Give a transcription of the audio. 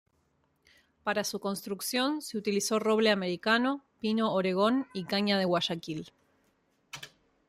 Para su construcción se utilizó roble americano, pino oregón y caña de Guayaquil.